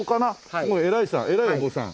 すごい偉い偉いお坊さん。